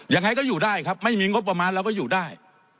ยังไงก็อยู่ได้ครับไม่มีงบประมาณเราก็อยู่ได้